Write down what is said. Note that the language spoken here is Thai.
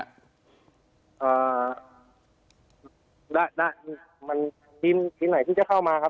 อ่าณมันทีมทีมไหนที่จะเข้ามาครับ